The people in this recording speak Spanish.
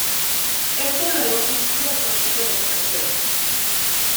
Esto luego inicia el proceso de extracción.